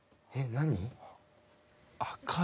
何？